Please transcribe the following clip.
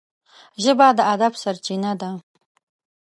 ژبه د ادب سرچینه ده